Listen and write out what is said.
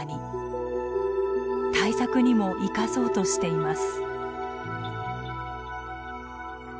対策にも生かそうとしています。